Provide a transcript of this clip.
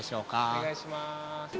お願いします。